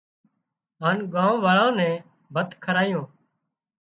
هانَ ڳام واۯان نين ڀت کارايُون